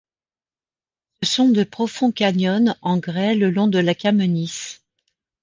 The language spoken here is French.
Ce sont de profonds canyons en grès le long de la Kamenice.